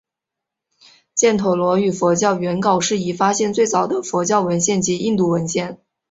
犍陀罗语佛教原稿是已发现最早的佛教文献及印度文献。